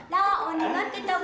mau ngapain di sini pak